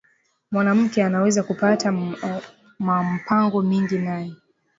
Mwanamuke anaweza kupata ma mpango mingi naye